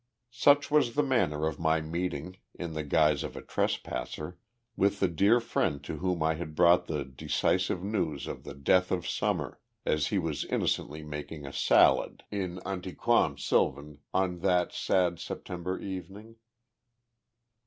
Such was the manner of my meeting, in the guise of a trespasser, with the dear friend to whom I had brought the decisive news of the death of Summer, as he was innocently making a salad, in antiquam silvam, on that sad September evening.